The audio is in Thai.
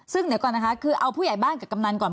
ซึ่งเดี๋ยวก่อนนะคะคือเอาผู้ใหญ่บ้านกับกำนันก่อน